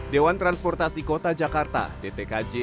dewan transportasi kota jakarta dtkj